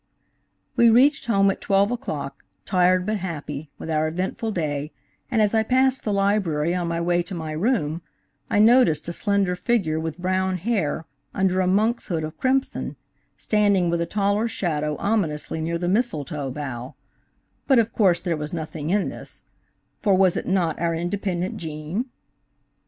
We reached home at twelve o'clock, tired but happy, with our eventful day, and as I passed the library on my way to my room, I noticed a slender figure, with brown hair under a monk's hood of crimson, standing with a taller shadow ominously near the mistletoe bough; but of course there was nothing in this, for was it not our independent Gene?